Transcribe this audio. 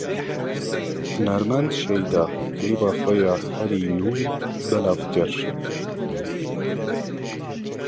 Hunermend Şeyda, klîba xwe ya herî nû belav kir.